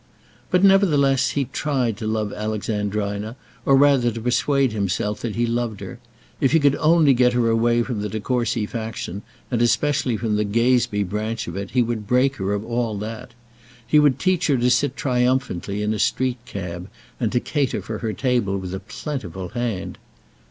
But, nevertheless, he tried to love Alexandrina, or rather to persuade himself that he loved her. If he could only get her away from the De Courcy faction, and especially from the Gazebee branch of it, he would break her of all that. He would teach her to sit triumphantly in a street cab, and to cater for her table with a plentiful hand.